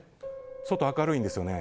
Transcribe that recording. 外、明るいんですよね。